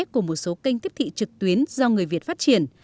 của một số kênh tiếp thị trực tuyến do người việt phát triển